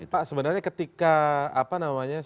pak sebenarnya ketika apa namanya